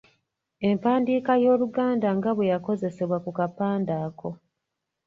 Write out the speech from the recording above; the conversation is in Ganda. Empandiika y’Oluganda nga bwe yakozesebwa ku kapande ako.